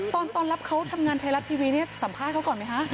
ตอนรับเขาทำงานไทยรัฐทีวีนี่สัมภาษณ์เขาก่อนไหมคะ